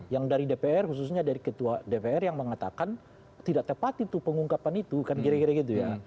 yang dari dpr khususnya dari ketua dpr yang mengatakan tidak tepat itu pengungkapan itu kan kira kira gitu ya